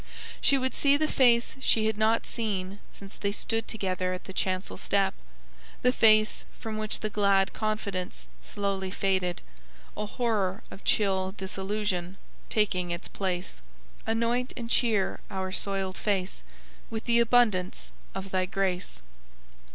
She would see the face she had not seen since they stood together at the chancel step the face from which the glad confidence slowly faded, a horror of chill disillusion taking its place. "Anoint and cheer our soiled face With the abundance of Thy grace."